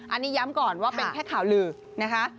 อันนี้ย้ำก่อนว่าเป็นแค่ข่าวลือนะคะ